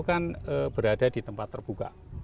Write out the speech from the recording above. kan berada di tempat terbuka